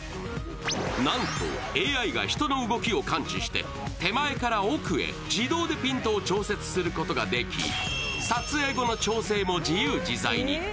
なんとＡＩが人の動きを感知して手前から奥へ、自動でピントを調節することができ撮影後の調整も自由自在に。